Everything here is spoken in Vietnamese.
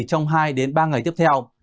trong hai đến ba ngày tiếp theo